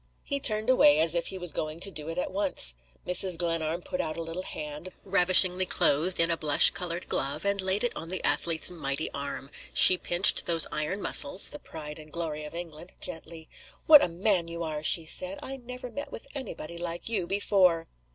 He turned away, as if he was going to do it at once. Mrs. Glenarm put out a little hand, ravishingly clothed in a blush colored glove, and laid it on the athlete's mighty arm. She pinched those iron muscles (the pride and glory of England) gently. "What a man you are!" she said. "I never met with any body like you before!"